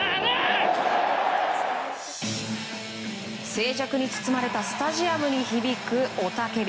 静寂に包まれたスタジアムに響く雄たけび。